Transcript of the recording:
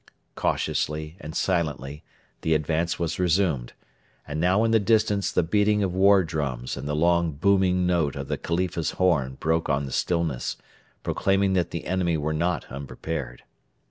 Cautiously and silently the advance was resumed, and now in the distance the beating of war drums and the long booming note of the Khalifa's horn broke on the stillness, proclaiming that the enemy were not unprepared.